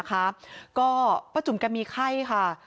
ก็ประจุมกันมีไข้ค่ะ